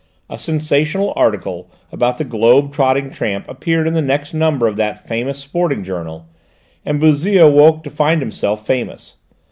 A sensational article about the globe trotting tramp appeared in the next number of that famous sporting journal, and Bouzille woke to find himself famous.